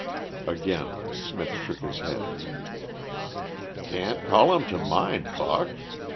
Again Smith shook his head. "Can't call him to mind, Buck.